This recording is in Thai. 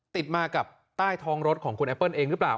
ติดมากับใต้ท้องรถของคุณแอปเปิ้ลเองหรือเปล่า